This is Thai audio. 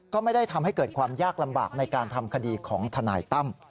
ก็ไม่ได้ทำให้เกิดความยากลำบากในการทำคดีของทนายตั้ม